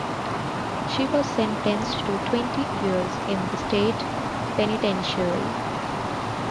She was sentenced to twenty years in the state penitentiary.